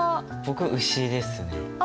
僕丑ですね。